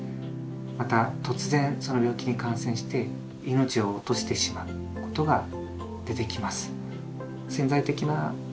また突然その病気に感染して命を落としてしまうことが出てきます。